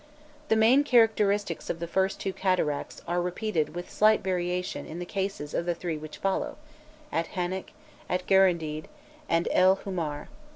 The main characteristics of the first two cataracts are repeated with slight variations in the cases of the three which follow, at Hannek, at Guerendid, and El Hu mar.